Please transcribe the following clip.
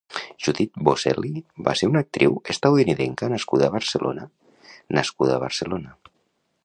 Judith Vosselli va ser una actriu estatunidenca nascuda a Barcelona nascuda a Barcelona.